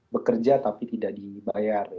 bekerja tapi tidak dibayar